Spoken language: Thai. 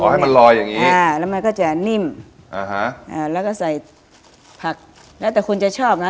อ๋อให้มันลอยอย่างนี้แล้วมันก็จะนิ่มแล้วก็ใส่ผักแล้วแต่คุณจะชอบนะ